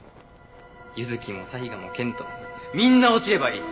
ユズキも大我も剣人もみんな落ちればいい！